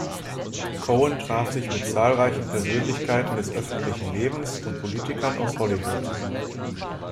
Cohen traf sich mit zahlreichen Persönlichkeiten des öffentlichen Lebens und Politikern aus Hollywood.